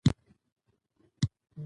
راځی په شریکه کار وکړو